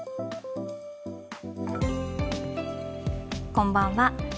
こんばんは。